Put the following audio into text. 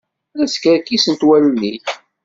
La skerkisent wallen-ik.